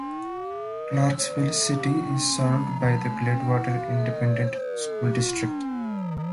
Clarksville City is served by the Gladewater Independent School District.